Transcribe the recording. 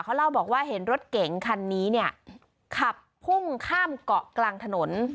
เขาเล่าบอกว่าเห็นรถเก๋งคันนี้เนี่ยขับพุ่งข้ามเกาะกลางถนน